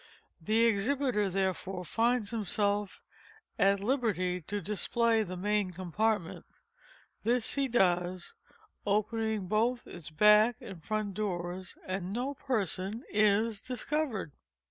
The exhibiter, therefore, finds himself at liberty to display the main compartment. This he does—opening both its back and front doors—and no person Is discovered.